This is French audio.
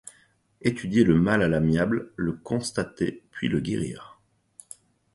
Étudier le mal à l’amiable, le constater, puis le guérir.